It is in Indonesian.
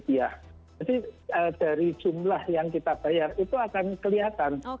iya jadi dari jumlah yang kita bayar itu akan kelihatan